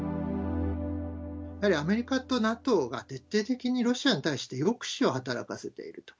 やはりアメリカとＮＡＴＯが徹底的にロシアに対して抑止を働かせていると。